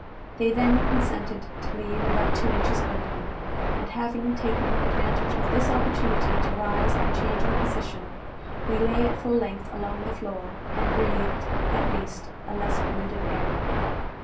They then consented to leave about two inches open, and having taken advantage of this opportunity to rise and change our position, we lay at full length along the floor, and breathed, at least, a less polluted air.